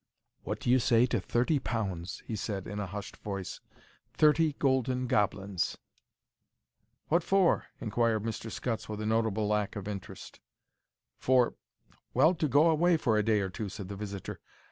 "What do you say to thir ty pounds?" he said, in a hushed voice. "Thirty golden goblins?" "What for?" inquired Mr. Scutts, with a notable lack of interest. "For—well, to go away for a day or two," said the visitor.